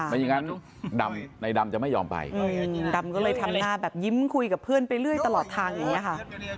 ไม่อย่างนั้นในดำจะไม่ยอมไปดำก็เลยทำหน้าแบบยิ้มคุยกับเพื่อนไปเรื่อยตลอดทางอย่างนี้ค่ะ